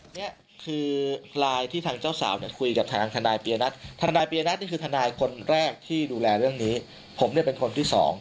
เนี่ยคือไลน์ที่ทางเจ้าสาวเนี่ยคุยกับทางทนายปียนัทธนายปียนัทนี่คือทนายคนแรกที่ดูแลเรื่องนี้ผมเนี่ยเป็นคนที่สอง